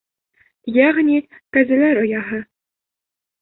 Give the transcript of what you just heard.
Йәғни кәзәләр ояһы.